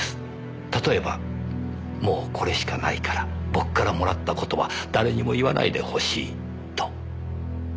例えば「もうこれしかないから僕からもらった事は誰にも言わないでほしい」と。